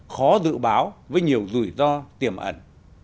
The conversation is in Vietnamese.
khó dự báo với nhiều rủi ro tiềm ẩn